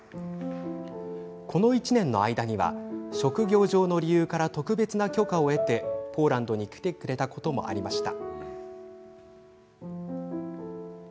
この１年の間には職業上の理由から特別な許可を得てポーランドに来てくれたこともありました。